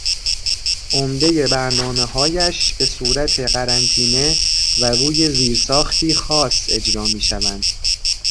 عمدهٔ برنامههایش به صورت قرنطینه و روی زیرساختی خاص اجرا میشوند